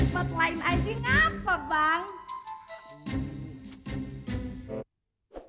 pet lain anjing apa bang